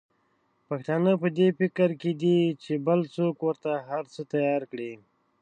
پښتانه په دي فکر کې دي چې بل څوک ورته هرڅه تیار کړي.